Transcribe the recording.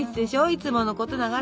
いつものことながら。